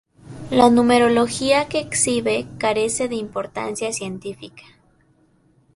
La numerología que exhibe carece de importancia científica.